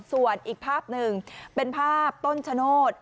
ส่วนอีกภาพหนึ่งเป็นภาพต้นชะโนธ